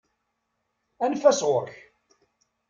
Anef-as ɣuṛ-k!